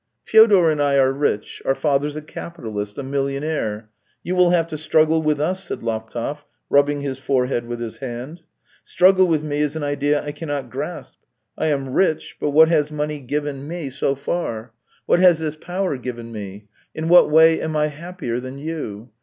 " Fyodor and I are rich; our father's a capitalist, a millionaire. You will have to struggle with us." said Laptev, rubbing his forehead with his hand. " Struggle with me is an idea I cannot grasp. I am rich, but what has money given mo I 17 258 THE TALES OF TCHEHOV so far ? What has this power given me ? In what way am I happier than you